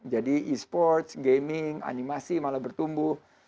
jadi e sports gaming animasi malah bertumbuh